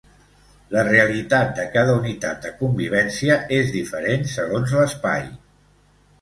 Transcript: La realitat de cada unitat de convivència és diferent segons l’espai.